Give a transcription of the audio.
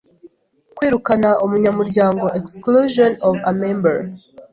kwirukana umunyamuryango exclusion of a member